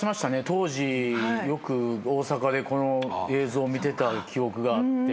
当時よく大阪でこの映像見てた記憶があって。